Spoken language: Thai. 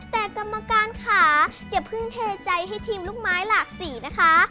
แต่กรรมการค่ะอย่าเพิ่งเทใจให้ทีมลูกไม้หลากสีนะคะ